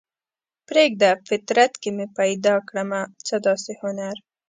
پریږده فطرت کې مې پیدا کړمه څه داسې هنر